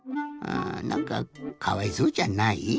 あぁなんかかわいそうじゃない？